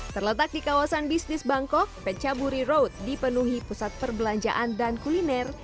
terletak di kawasan bisnis bangkok pecaburi road dipenuhi pusat perbelanjaan dan kuliner